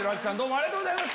ありがとうございます。